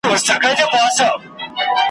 جنازه به د غمونو وي وتلې ,